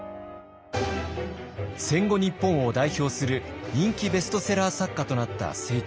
戦後日本を代表する人気ベストセラー作家となった清張。